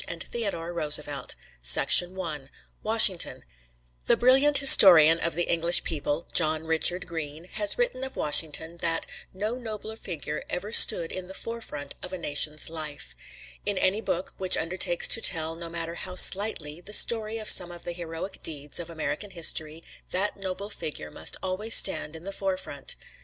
Hamlet HERO TALES FROM AMERICAN HISTORY WASHINGTON The brilliant historian of the English people [*] has written of Washington, that "no nobler figure ever stood in the fore front of a nation's life." In any book which undertakes to tell, no matter how slightly, the story of some of the heroic deeds of American history, that noble figure must always stand in the fore front.